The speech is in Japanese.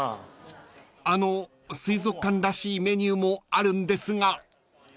［あの水族館らしいメニューもあるんですが］